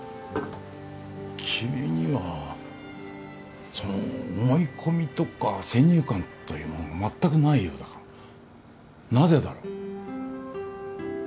君にはその思い込みとか先入観というものが全くないようだがなぜだろう？